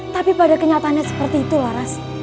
tapi pada kenyataannya seperti itu laras